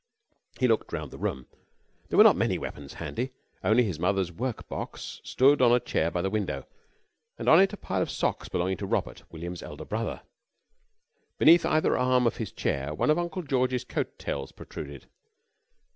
He looked round the room. There were not many weapons handy. Only his mother's work box stood on a chair by the window, and on it a pile of socks belonging to Robert, William's elder brother. Beneath either arm of his chair one of Uncle George's coat tails protruded.